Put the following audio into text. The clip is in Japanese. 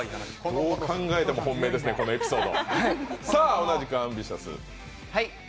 どう考えても本命ですね、このエピソード。